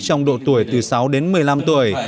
trong độ tuổi từ sáu đến một mươi năm tuổi